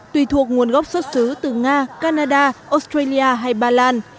tùy thuộc nguồn gốc xuất xứ từ nga canada australia hay ba lan